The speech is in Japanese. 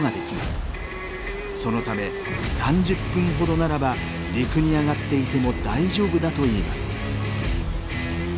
そのため３０分ほどならば陸に上がっていても大丈夫だといいます。